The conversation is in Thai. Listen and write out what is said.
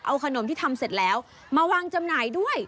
เอาขนมที่ทำเสร็จแล้วมาวางจำหน่ายด้วย